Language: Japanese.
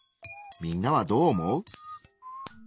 みんなはどう思う？